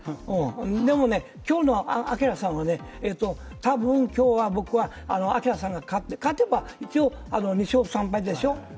でも、今日の明さんは多分今日はね、明さんが勝って、勝てば２勝３敗でしょ。